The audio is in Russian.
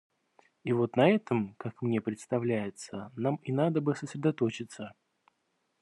И вот на этом, как мне представляется, нам и надо бы сосредоточиться.